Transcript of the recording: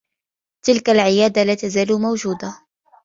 تلك العيادة لا تزال موجودة.